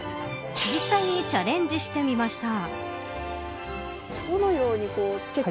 実際にチャレンジしてみました。